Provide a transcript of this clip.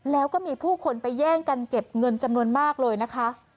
แล้วก็มีผู้คนไปแย่งกันเก็บเงินจำนวนมากเลยนะคะ